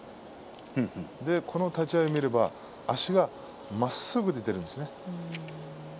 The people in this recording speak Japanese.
この立ち合いを見れば足がまっすぐに出るんですね。